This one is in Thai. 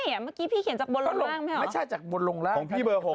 ไม่ใช่เมื่อกี้พี่เขียนจากบนลงล่าง